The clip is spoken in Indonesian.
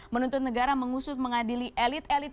menuntut negara mengusut mengadili elit elit